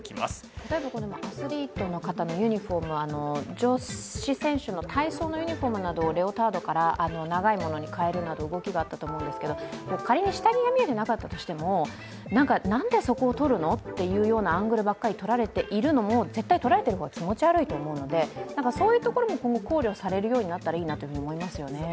例えばアスリートの方のユニフォーム女子選手の体操のユニフォームなどレオタードから長いものに変える動きがあったと思うんですけど仮に下着が見えてなかったとしてもなんか、なんでそこを撮るのというようなアングルばっかり撮られているのも、撮られている方は気持ち悪いと思うのでそういうところも考慮されるようになったらいいなと思いますね。